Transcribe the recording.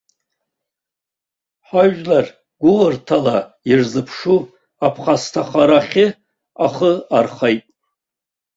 Ҳажәлар гәыӷырҭала ирзыԥшу, аԥхасҭахарахьы ахы археит.